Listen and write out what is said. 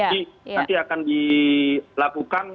jadi nanti akan dilakukan